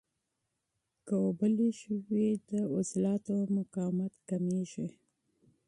که لږ اوبه وي، د عضلاتو مقاومت کمېږي.